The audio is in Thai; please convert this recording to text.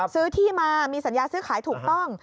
ซื้อที่มามีสัญญาซื้อขายถูกต้อง